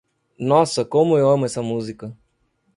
Nossa, como eu amo essa música.